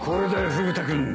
フグ田君。